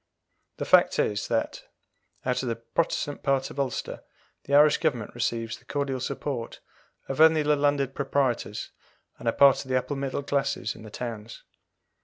The fact is, that, out of the Protestant part of Ulster, the Irish Government receives the cordial support of only the landed proprietors, and a part of the upper middle classes in the towns.